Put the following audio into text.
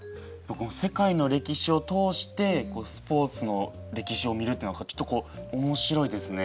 世界の歴史を通してスポーツの歴史を見るっていうのはちょっとこうおもしろいですね。